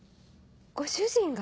ご主人が？